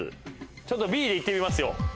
ちょっとＢでいってみますよ。